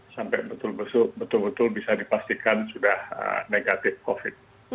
sampai betul betul bisa dipastikan sudah negatif covid